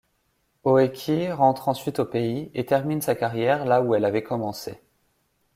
Oeki rentre ensuite au pays et termine sa carrière là où elle avait commencé.